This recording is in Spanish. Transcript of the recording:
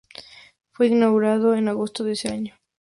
Fue inaugurado en agosto de ese año.